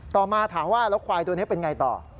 มาถามว่าแล้วควายตัวนี้เป็นไงต่อ